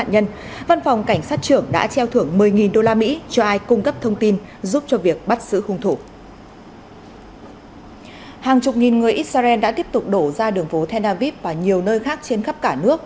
hàng chục nghìn người israel đã tiếp tục đổ ra đường phố tel aviv và nhiều nơi khác trên khắp cả nước